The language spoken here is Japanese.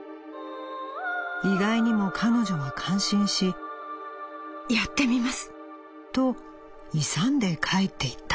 意外にも彼女は感心し『やってみます』と勇んで帰って行った」。